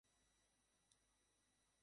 ছোটো লেখা পড়তে গেলে চোখ আর কপাল ব্যথা করে।